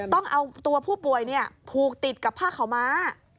ต้องเอาตัวผู้ป่วยผูกติดกับผ้าขาวม้า